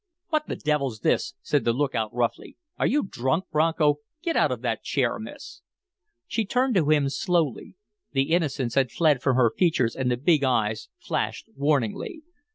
"What the devil's this?" said the lookout, roughly. "Are you drunk, Bronco? Get out of that chair, miss." She turned to him slowly. The innocence had fled from her features and the big eyes flashed warningly.